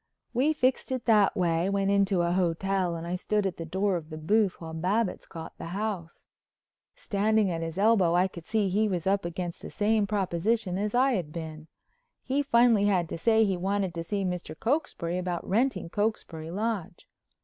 We fixed it that way, went into a hotel, and I stood at the door of the booth while Babbitts got the house. Standing at his elbow I could see he was up against the same proposition as I had been. He finally had to say he wanted to see Mr. Cokesbury about renting Cokesbury Lodge.